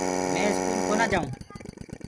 مي اسڪول ڪونآئونٚ جآئونٚ